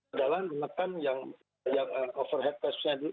adalah menekan yang overhead